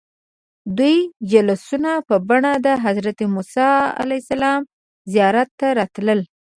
دوی جلوسونه په بڼه د حضرت موسى علیه السلام زیارت ته راتلل.